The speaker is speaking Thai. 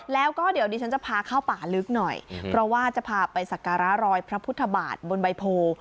แล้วก็เดี๋ยวดิฉันจะพาเข้าป่าลึกหน่อยเพราะว่าจะพาไปสักการะรอยพระพุทธบาทบนใบโพ